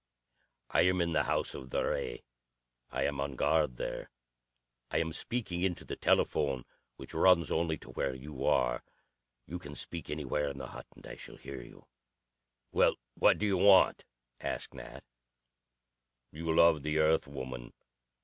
"I am in the house of the ray. I am on guard there. I am speaking into the telephone which runs only to where you are. You can speak anywhere in the hut, and I shall hear you." "Well, what do you want?" asked Nat. "You love the Earth woman.